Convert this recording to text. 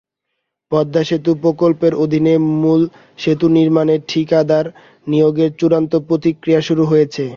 পদ্মা সেতু প্রকল্পের অধীনে মূল সেতু নির্মাণে ঠিকাদার নিয়োগের চূড়ান্ত প্রক্রিয়া শুরু হয়েছে।